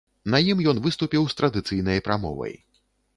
На ім ён выступіў з традыцыйнай прамовай.